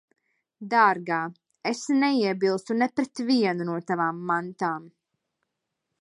Dārgā, es neiebilstu ne pret vienu no tavām mantām.